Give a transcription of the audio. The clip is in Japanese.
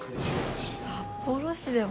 札幌市でも？